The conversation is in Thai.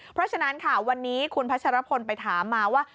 เพราะฉะนั้นค่ะวันนี้คุณพัชรพลไปถามมาว่า